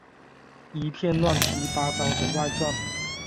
一篇乱七八糟的外传